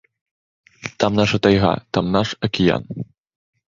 Там наша тайга, там наш акіян.